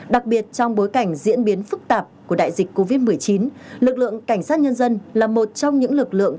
đặc biệt trong bối cảnh diễn biến phức tạp của đại dịch covid một mươi chín lực lượng cảnh sát nhân dân là một trong những lực lượng